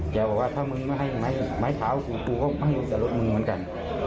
แกบอกว่าถ้ามึงไม้เซาหัวปูอีกก็น่าจะมีแค่รถมึงเหมือนกัน